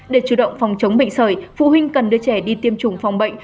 để chủ động phòng chống bệnh sởi phụ huynh cần đưa trẻ đi tiêm chủng phòng bệnh